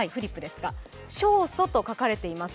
「勝訴」と書かれています。